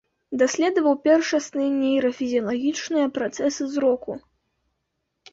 Даследаваў першасныя нейрафізіялагічныя працэсы зроку.